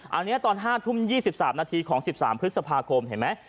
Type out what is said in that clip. อันนี้ตอน๕ทุ่ม๒๓นาทีของ๑๓พฤษภาคมเห็นไหม